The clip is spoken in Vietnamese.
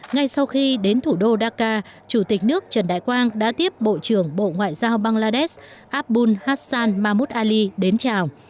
ngay sau khi đến thủ đô dakar chủ tịch nước trần đại quang đã tiếp bộ trưởng bộ ngoại giao bangladesh abul hassan mahmud ali đến chào